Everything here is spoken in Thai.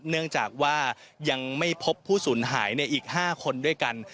เนื่องจากว่ายังไม่พบผู้สูญหายในอีก๕คนด้วยกัน